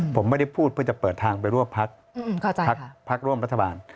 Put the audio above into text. ผมไม่ได้พูดเพื่อจะเปิดทางไปร่วมพักพักร่วมรัฐบาล